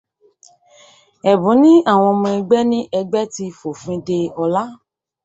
Ẹ̀bùn ní àwọn ọmọ ẹgbẹ ní ẹgbẹ́ ti fòfin dè Ọlá.